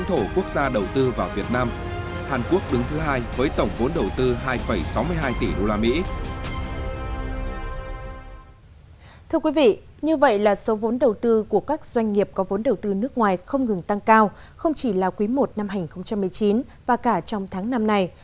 thưa quý vị như vậy là số vốn đầu tư của các doanh nghiệp có vốn đầu tư nước ngoài không ngừng tăng cao không chỉ là quý i năm hai nghìn một mươi chín và cả trong tháng năm này